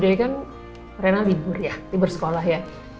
jadi kan rena libur ya libur sekolah ya